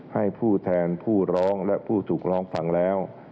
ให้ผู้แทนผู้ร้องและผู้ถูกร้องฟังแล้ว